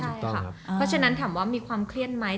เพราะฉะนั้นถามว่ามีความเครียดไหม